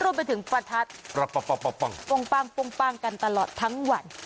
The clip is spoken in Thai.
รวมไปถึงปราธัตธ์ปล้วงกันตลอดทั้งวัน